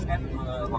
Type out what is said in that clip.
tiến hành điều tra